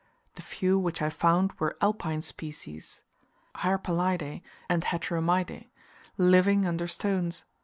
The few which I found were alpine species (Harpalidae and Heteromidae) living under stones.